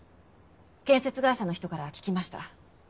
建設会社の人から聞きました。